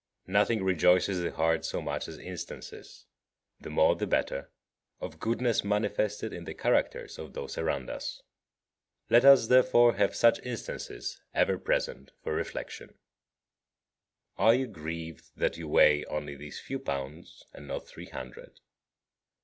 Nothing rejoices the heart so much as instances, the more the better, of goodness manifested in the characters of those around us. Let us, therefore, have such instances ever present for reflection. 49. Are you grieved that you weigh only these few pounds, and not three hundred?